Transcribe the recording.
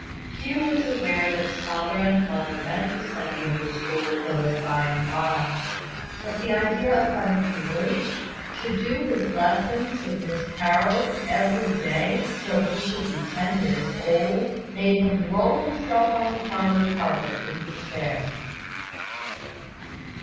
Hugh was aware that his father and mother meant to send him to school with Philip by and by; but the idea of having to wait to do his lessons with Miss Harold every day till he should be ten years old, made him roll himself on the parlour carpet in despair.